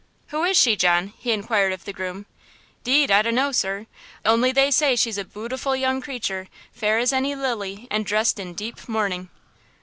"Who is she, John?" he inquired of the groom. "'Deed I dunno, sir, only they say she's a bootiful young creature, fair as any lily, and dressed in deep mourning."